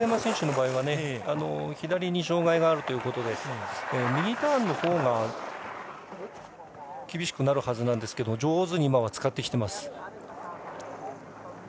神山選手の場合は左に障がいがあるということで右ターンのほうが厳しくなるはずなんですが上手に今は使ってきています。